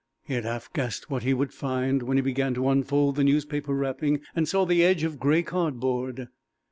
He had half guessed what he would find when he began to unfold the newspaper wrapping and saw the edge of gray cardboard.